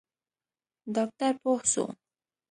ډاکتر پوه سو.